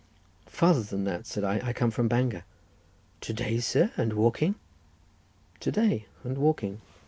"Farther than that," said I. "I come from Bangor." "To day, sir, and walking?" "To day, and walking."